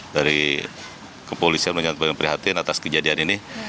dari kepolisian menyatakan prihatin atas kejadian ini